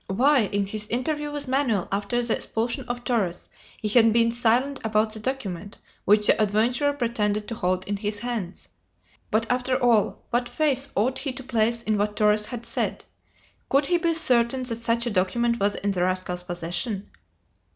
Why, in his interview with Manoel after the expulsion of Torres, had he been silent about the document which the adventurer pretended to hold in his hands? But, after all, what faith ought he to place in what Torres had said? Could he be certain that such a document was in the rascal's possession?